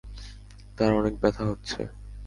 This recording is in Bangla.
তার অনেক ব্যথা হচ্ছে।